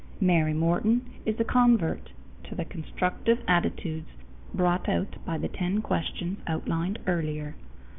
Mary Morton is a convert to the constructive attitudes brought out by the ten questions outlined earlier.